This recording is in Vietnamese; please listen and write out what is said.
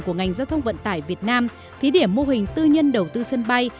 của ngành giao thông vận tải việt nam thí điểm mô hình tư nhân đầu tư sân bay